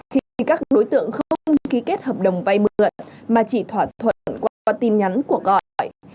khi các đối tượng không ký kết hợp đồng vay mượn mà chỉ thỏa thuận qua tin nhắn của gọi